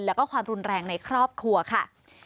แล้วก็ความรุนแรงในครอบครัวค่ะ